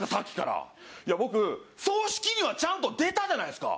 葬式にはちゃんと出たじゃないですか。